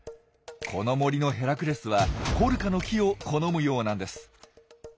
この森のヘラクレスはコルカの木を好むようなんです。